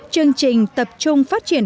chương trình tập trung phát triển